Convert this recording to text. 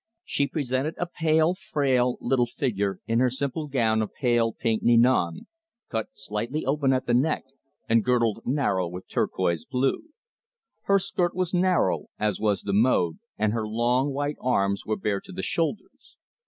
She presented a pale, frail, little figure in her simple gown of pale pink ninon, cut slightly open at the neck and girdled narrow with turquoise blue. Her skirt was narrow, as was the mode, and her long white arms were bare to the shoulders.